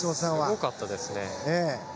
すごかったですね。